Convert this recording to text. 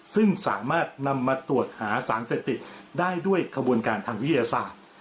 ซึ่งสามารถนำมาตรวจหาสารเสพติดได้ด้วยขบวนการทางวิทยาศาสตร์